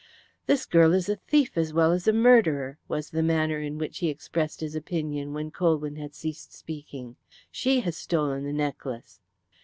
"This girl is a thief as well as a murderer," was the manner in which he expressed his opinion when Colwyn had ceased speaking. "She has stolen the necklace."